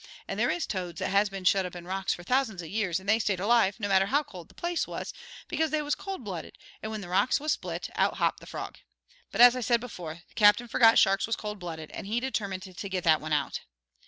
And there is toads that has been shut up in rocks for thousands of years, and they stayed alive, no matter how cold the place was, because they was cold blooded, and when the rocks was split, out hopped the frog. But, as I said before, the captain forgot sharks was cold blooded, and he determined to git that one out.